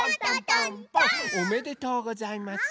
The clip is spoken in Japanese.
おめでとうございます。